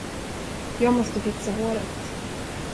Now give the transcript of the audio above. Jag måste fixa håret.